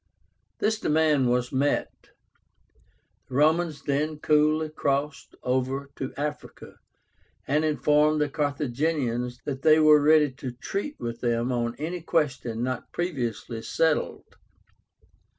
This demand was met. The Romans then coolly crossed over to Africa, and informed the Carthaginians that they were ready to treat with them on any question not previously settled.